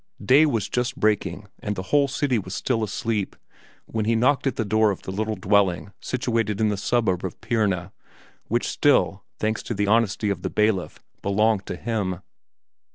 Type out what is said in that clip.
Day was just breaking and the whole city was still asleep when he knocked at the door of the little dwelling situated in the suburb of Pirna, which still, thanks to the honesty of the bailiff, belonged to him.